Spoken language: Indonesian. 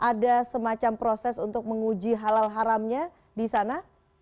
ada semacam proses untuk menguji halal haramnya di sana